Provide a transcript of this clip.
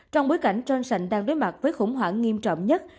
trong bối cảnh johnson đang đối mặt với khủng hoảng nghiêm trọng nhất